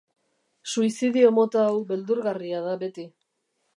Suizidio mota hau beldurgarria da beti.